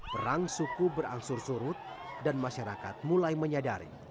perang suku berangsur surut dan masyarakat mulai menyadari